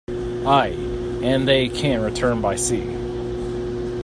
Ay, and they can return by sea.